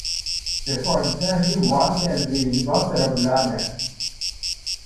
Before that he worked at the University of London.